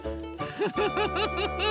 フフフフ。